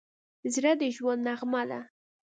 زړه د ژوند نغمه ده.